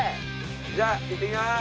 じゃあいってきます！